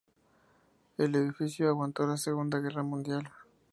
El edificio aguantó la Segunda Guerra Mundial.